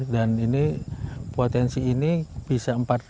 dan ini potensi ini bisa dikembangkan